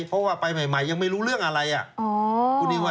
เพราะว่าไปใหม่ยังไม่รู้เรื่องอะไรอ่ะ